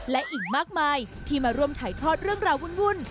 และอีกมากมายที่มาร่วมถ่ายทอดเรื่องราววุ่น